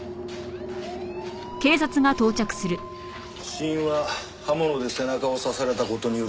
死因は刃物で背中を刺された事による失血死。